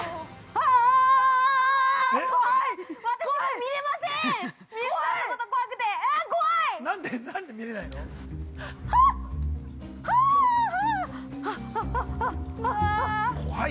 あっ、怖い。